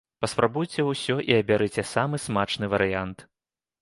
Паспрабуйце усё і абярыце самы смачны варыянт!